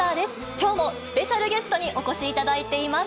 きょうもスペシャルゲストにお越しいただいています。